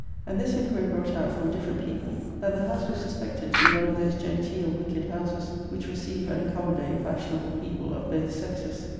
And this inquiry brought out, >>> from different people, that the house was suspected to be one of those genteel wicked houses, which receive and accommodate fashionable people of both sexes.